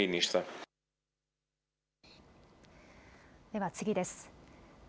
では次です。